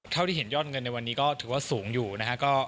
เท่าที่เห็นยอดเงินในวันนี้ก็ถือว่าสูงอยู่นะฮะ